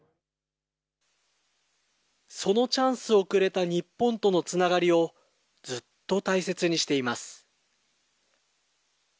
そのチャンスをくれた日本とのつながりをずっと大切にしています。